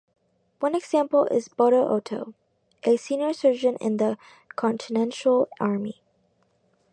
One example is Bodo Otto, a senior surgeon in the continental army.